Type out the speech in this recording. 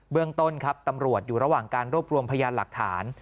เรื่องต้นครับตำรวจอยู่ระหว่างการรวบรวมพยานหลักฐาน